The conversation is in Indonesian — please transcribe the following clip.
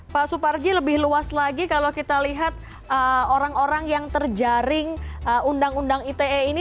pak suparji lebih luas lagi kalau kita lihat orang orang yang terjaring undang undang ite ini